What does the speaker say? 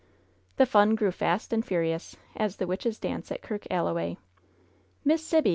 "The fun grew fast and furious" as the witches' dance at Kirk AUoway. "Miss Sibby!'